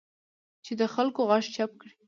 چې د خلکو غږ چپ کړي